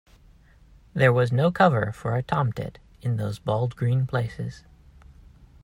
There was no cover for a tomtit in those bald green places.